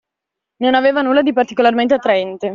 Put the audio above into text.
Non aveva nulla di particolarmente attraente.